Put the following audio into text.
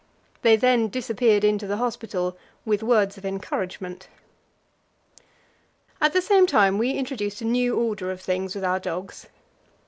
They then disappeared into the hospital with words of encouragement. At the same time we introduced a new order of things with our dogs.